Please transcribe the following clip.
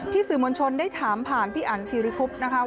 สื่อมวลชนได้ถามผ่านพี่อันศิริคุบนะคะ